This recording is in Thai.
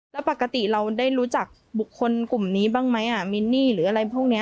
แล้วปกติเราได้รู้จักบุคคลกลุ่มนี้บ้างไหมมินนี่หรืออะไรพวกนี้